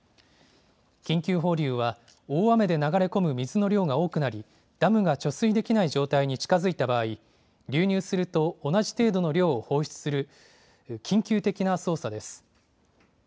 緊急放流は大雨で流れ込む水の量が多くなり、ダムが貯水できない状態に近づいた場合、流入すると同じ程度の量をする緊急的な操作です。